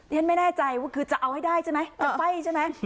ฉันไม่แน่ใจว่าคือจะเอาให้ได้ใช่ไหมจะไฟ่ใช่ไหม